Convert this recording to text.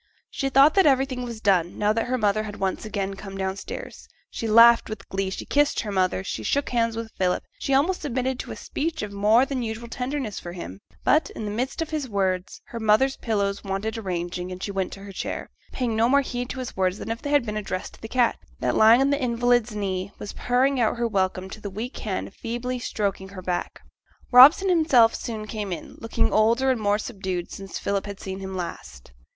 She thought that everything was done, now that her mother had once come downstairs again; she laughed with glee; she kissed her mother; she shook hands with Philip, she almost submitted to a speech of more than usual tenderness from him; but, in the midst of his words, her mother's pillows wanted arranging and she went to her chair, paying no more heed to his words than if they had been addressed to the cat, that lying on the invalid's knee was purring out her welcome to the weak hand feebly stroking her back. Robson himself soon came in, looking older and more subdued since Philip had seen him last.